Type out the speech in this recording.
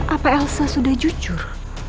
apa elsa sudah jujur